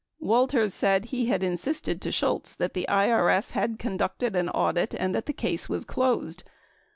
Walters said he had insisted to Shultz that the IBS had con ducted an audit and the case was closed.